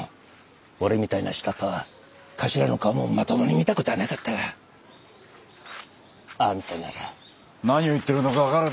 俺みたいな下っ端は頭の顔もまともに見た事はなかったがあんたなら。